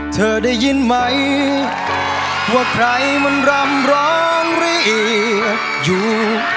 เธอได้ยินไหมว่าใครมันรำร้างเรียกอยู่